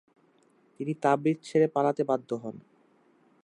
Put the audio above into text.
তিনি তাবরিজ ছেড়ে পালাতে বাধ্য হন।